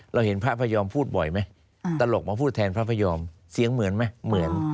เห็นพระพยอมพูดบ่อยไหมตลกมาพูดแทนพระพยอมเสียงเหมือนไหมเหมือน